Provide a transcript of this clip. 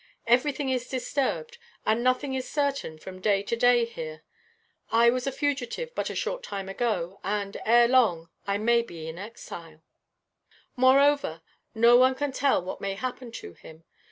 Everything is disturbed, and nothing is certain from day to day here. I was a fugitive but a short time ago and, ere long, I may again be an exile. "Moreover, no one can tell what may happen to him.